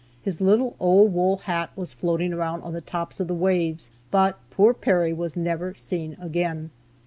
His little old wool hat was floating around on the tops of the waves, but poor Perry was never seen again.